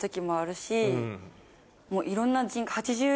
もういろんな。